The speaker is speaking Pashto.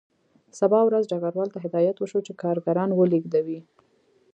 سبا ورځ ډګروال ته هدایت وشو چې کارګران ولېږدوي